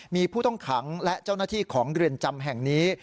มีผู้ต้องขังและเจ้าหน้าที่ของเรือนจำแห่งนี้